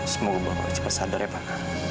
semoga bapak cepat sadar ya pak